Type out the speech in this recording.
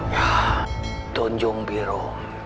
ya tunjung biru